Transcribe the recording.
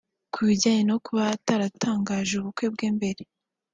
Ku bijyanye no kuba ataratangaje ubukwe bwe mbere